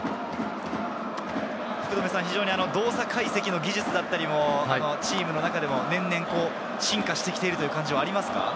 動作解析の技術だったり、チームの中で年々進化してきているという感じはありますか？